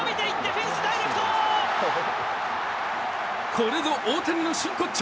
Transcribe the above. これぞ大谷の真骨頂。